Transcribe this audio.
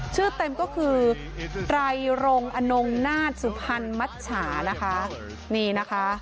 ชื่อเต็มก็คือไตรรงอันนงนาศพันธ์มัชฉานะคะ